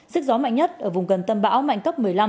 sức gió mạnh nhất ở vùng gần tâm bão mạnh cấp một mươi năm